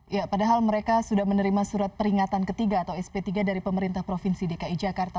ya padahal mereka sudah menerima surat peringatan ketiga atau sp tiga dari pemerintah provinsi dki jakarta